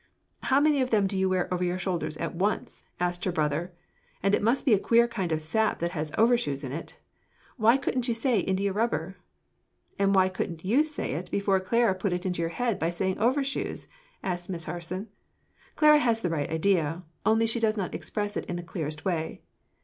"How many of them do you wear over your shoulders at once?" asked her brother. "And it must be a queer kind of sap that has overshoes in it. Why couldn't you say 'India rubber'?" "And why couldn't you say it before Clara put it into your head by saying 'Overshoes?" asked Miss Harson. "Clara has the right idea, only she did not express it in the clearest way.